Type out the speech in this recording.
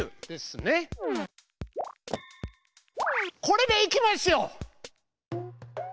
これでいきますよ。